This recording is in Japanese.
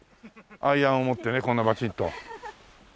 アイアンを持ってねこんなバチッと。